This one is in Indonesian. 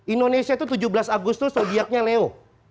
indonesia itu tujuh belas agustus subyeknya leo